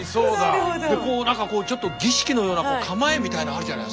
でこう何かちょっと儀式のような構えみたいなあるじゃないですか。